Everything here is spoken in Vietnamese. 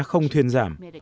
cô bé không thiên giảm